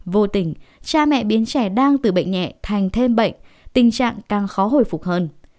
vô tình cha mẹ biến trẻ đang từ bệnh nhẹ thành thêm bệnh tình trạng càng khó hồi phục hơn